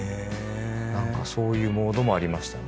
何かそういうモードもありましたね。